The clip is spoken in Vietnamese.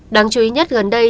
đáng chú ý nhất gần đây